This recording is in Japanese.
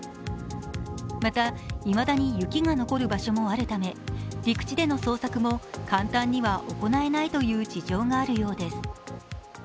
また、いまだに雪が残る場所もあるため、陸地での捜索も簡単には行えないという事情があるようです。